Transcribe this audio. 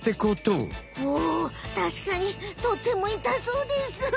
あたしかにとってもいたそうです。